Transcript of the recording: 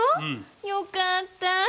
よかったぁ！